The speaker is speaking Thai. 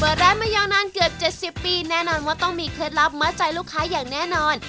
ร้านมายาวนานเกือบ๗๐ปีแน่นอนว่าต้องมีเคล็ดลับมัดใจลูกค้าอย่างแน่นอน